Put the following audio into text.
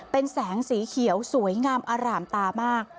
เป็นแสงสีเขียวสวยงามอร่ามตามาก